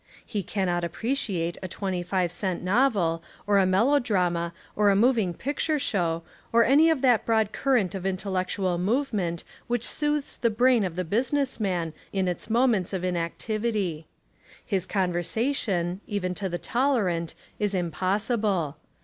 He cannot appreciate a twenty five cent novel, or a melodrama, or a moving picture show, or any of that broad 9 Essays and Literary Studies current of intellectual movement which soothes the brain of the business man in its moments of inactivity. His conversation, even to the tolerant, is impossible.